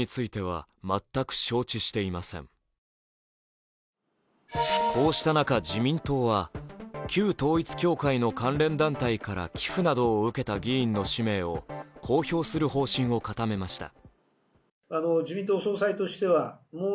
一方、教団はこうした中、自民党は旧統一教会の関連団体から寄付などを受けた議員の氏名を公表する方針を固めました。